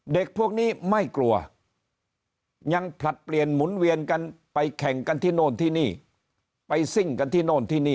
เด็กพวกนี้ไม่กลัวยังผลัดเปลี่ยนหมุนเวียนกันไปแข่งกันที่โน่นที่นี่ไปซิ่งกันที่โน่นที่นี่